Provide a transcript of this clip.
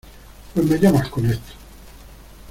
pues me llamas con esto.